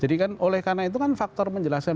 jadi kan oleh karena itu kan faktor menjelaskan